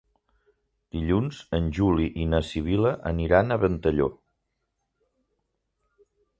Dilluns en Juli i na Sibil·la aniran a Ventalló.